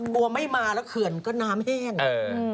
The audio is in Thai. กลัวไม่มาแล้วเขื่อนก็น้ำแห้ง